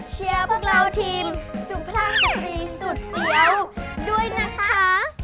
เชียร์พวกเราทีมสุภาพสตรีสุดเฟี้ยวด้วยนะคะ